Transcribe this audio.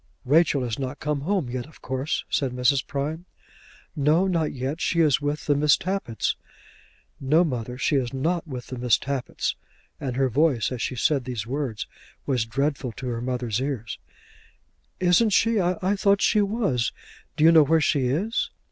"Rachel has not come home yet, of course?" said Mrs. Prime. "No; not yet. She is with the Miss Tappitts." "No, mother, she is not with the Miss Tappitts:" and her voice, as she said these words, was dreadful to the mother's ears. "Isn't she? I thought she was. Do you know where she is?"